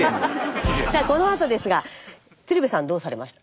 さあこのあとですが鶴瓶さんどうされました？